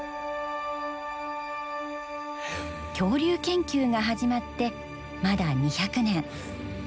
恐竜研究が始まってまだ２００年。